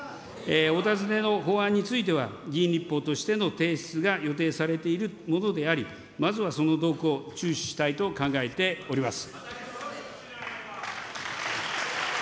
お尋ねの法案については、議員立法としての提出が予定されているものであり、まずはその動向を注視したいと考えております。